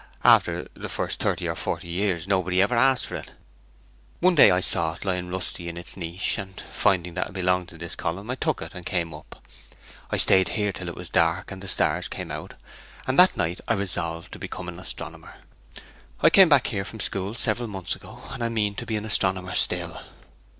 After the first thirty or forty years, nobody ever asked for it. One day I saw it, lying rusty in its niche, and, finding that it belonged to this column, I took it and came up. I stayed here till it was dark, and the stars came out, and that night I resolved to be an astronomer. I came back here from school several months ago, and I mean to be an astronomer still.'